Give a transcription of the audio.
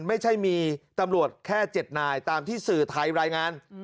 ไม่ใช่มีตำรวจแค่๗นายตามที่สื่อไทยรายงาน